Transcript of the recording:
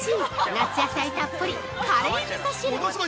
夏野菜たっぷりカレーみそ汁！